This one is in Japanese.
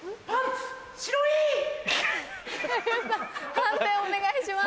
判定お願いします。